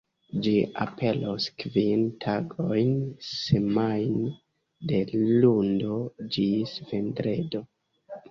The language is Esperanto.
Ĝi aperos kvin tagojn semajne, de lundo ĝis vendredo.